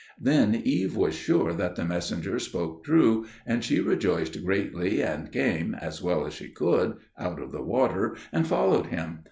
'" Then Eve was sure that the messenger spoke true, and she rejoiced greatly, and came, as well as she could, out of the water, and followed him.